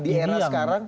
di era sekarang